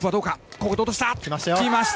ここで落とした！